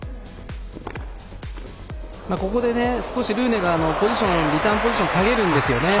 ここで少しルーネがリターンポジション下げるんですよね。